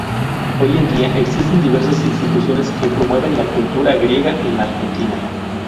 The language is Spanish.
Hoy en día, existen diversas instituciones que promueven la cultura griega en la Argentina.